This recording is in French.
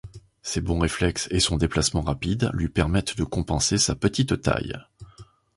Ses bons réflexes, et son déplacement rapide, lui permettent de compenser sa petite taille.